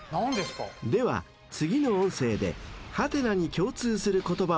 ［では次の音声でハテナに共通する言葉は何？］